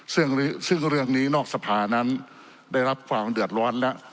ซึ่งเรื่องนี้นอกสภานั้นได้รับความเดือดร้อนแล้ว